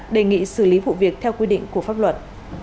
đề nghị xử lý vụ việc theo quy định của pháp luật